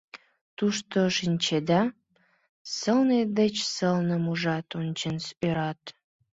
Тушто, шинчеда, сылне деч сылным ужат, ончен ӧрат.